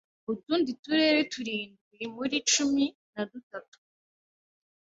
Utundi turere turindwi muri cumi na dutatu